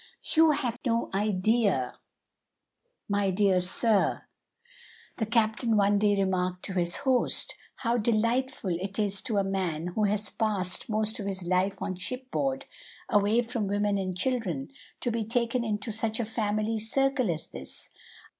"You have no idea, my dear sir," the captain one day remarked to his host, "how delightful it is to a man who has passed most of his life on shipboard, away from women and children, to be taken into such a family circle as this!